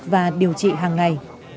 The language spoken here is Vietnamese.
và điều trị hàng ngày